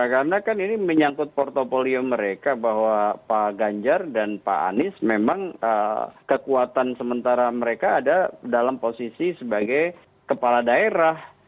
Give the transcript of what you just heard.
karena kan ini menyangkut portopolio mereka bahwa pak ganjar dan pak anies memang kekuatan sementara mereka ada dalam posisi sebagai kepala daerah